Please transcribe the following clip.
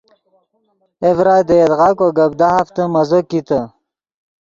اے ڤرائی دے یدغا کو گپ دہافتے مزو کیتے